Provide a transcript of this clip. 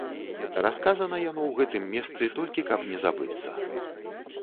Расказана яно ў гэтым месцы, толькі каб не забыцца.